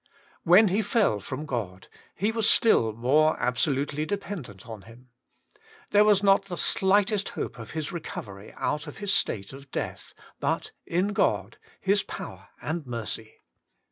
When he fell from God, he was still more absolutely dependent on Him. There was not WAITING ON GOD! 19 the slightest hope of his recovery out of his state of death, but in God, His power and mercy.